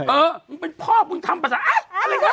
มึงเป็นพ่อมึงทำปศาจ